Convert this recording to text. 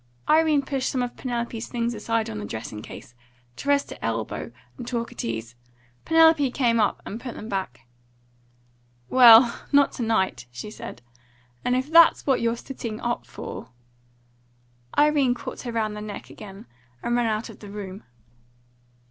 Irene pushed some of Penelope's things aside on the dressing case, to rest her elbow and talk at ease. Penelope came up and put them back. "Well, not to night," she said; "and if that's what you're sitting up for " Irene caught her round the neck again, and ran out of the room.